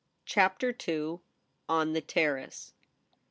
CHAPTER II. ox THE TERRACE.